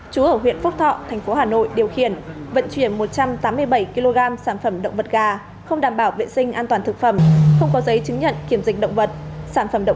chú ở huyện phúc thọ thành phố hà nội điều khiển vận chuyển một trăm tám mươi bảy km